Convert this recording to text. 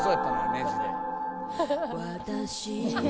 ネジで。